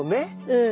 うん。